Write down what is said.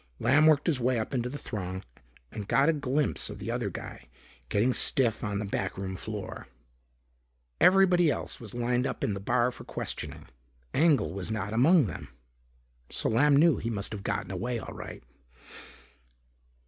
Lamb worked his way up into the throng and got a glimpse of the other guy getting stiff on the backroom floor. Everybody else was lined up in the bar for questioning. Engel was not among them. So Lamb knew he must have gotten away all right.